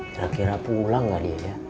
kira kira pulang nggak dia ya